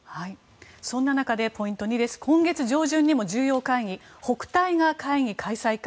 そんな中でポイント２今月上旬にも重要会議、北戴河会議開催か。